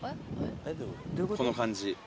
この感じ。